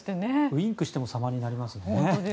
ウィンクしてもさまになりますね。